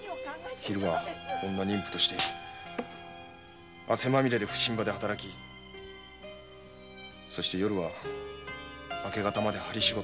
昼は女人夫として汗まみれで普請場で働きそして夜は明け方まで針仕事。